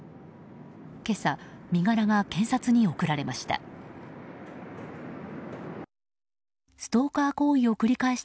今朝、身柄が検察に送られました。